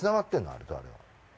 あれとあれは。